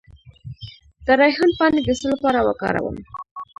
د ریحان پاڼې د څه لپاره وکاروم؟